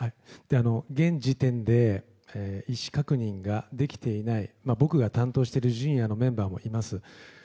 現時点で意思確認ができていない僕が担当しているＪｒ．のメンバーもいます。